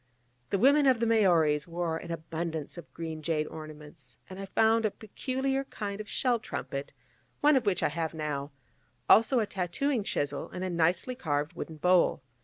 The women of the Maoris wore an abundance of green jade ornaments, and I found a peculiar kind of shell trumpet, one of which I have now, also a tattooing chisel, and a nicely carved wooden bowl.